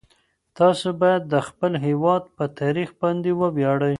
تاسو باید د خپل هیواد په تاریخ باندې وویاړئ.